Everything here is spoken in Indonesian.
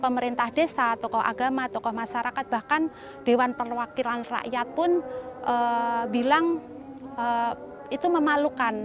pemerintah desa tokoh agama tokoh masyarakat bahkan dewan perwakilan rakyat pun bilang itu memalukan